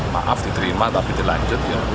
maaf diterima tapi dilanjut